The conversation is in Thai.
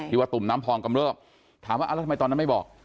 ว่าตุ่มน้ำพองกำเริบถามว่าแล้วทำไมตอนนั้นไม่บอก